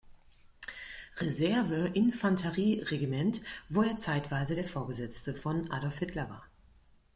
Reserve-Infanterie-Regiment, wo er zeitweise der Vorgesetzte von Adolf Hitler war.